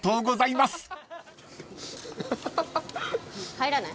入らない？